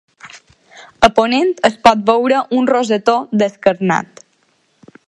A ponent es pot veure un rosetó descarnat.